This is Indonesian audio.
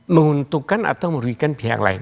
menguntungkan atau merugikan pihak lain